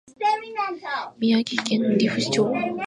宮城県利府町